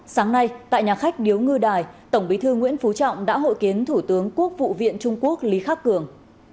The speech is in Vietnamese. sáng nay tại nhà khách điếu ngư đài tổng bí thư nguyễn phú trọng đã hội kiến thủ tướng quốc vụ viện trung quốc lý khắc cường